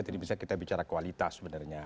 tadi bisa kita bicara kualitas sebenarnya